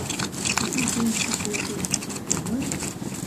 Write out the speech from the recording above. Yella kra n tifrat ay d-tessumer?